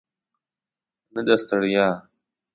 نه د ستړیا.